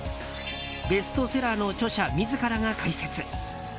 ベストセラーの著者自らが解説。